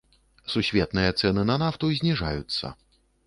Сусветныя цэны на нафту зніжаюцца.